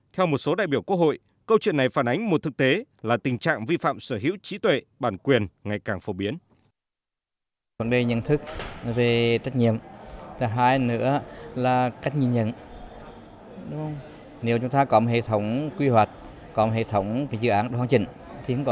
theo một số đại biểu quốc hội câu chuyện này phản ánh một thực tế là tình trạng vi phạm sở hữu trí tuệ bản quyền ngày càng phổ biến